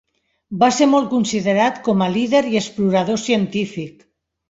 Va ser molt considerat com a líder i explorador científic.